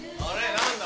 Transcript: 何だ？